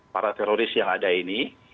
para teroris yang ada ini